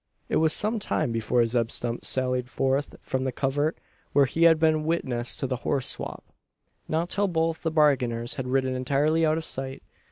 It was some time before Zeb Stump sallied forth from the covert where he had been witness to the "horse swop." Not till both the bargainers had ridden entirely out of sight.